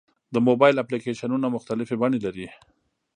د موبایل اپلیکیشنونه مختلفې بڼې لري.